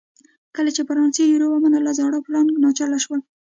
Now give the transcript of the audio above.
کله چې فرانسې یورو ومنله زاړه فرانک ناچله شول.